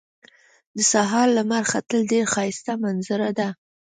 د سهار لمر ختل ډېر ښایسته منظره ده